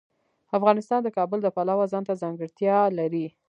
افغانستان د کابل د پلوه ځانته ځانګړتیا لري.